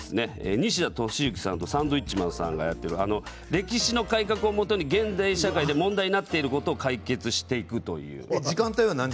西田敏行さんとサンドウィッチマンさんがやっている歴史の改革をもとに現代社会で問題になっていることを解決していくという。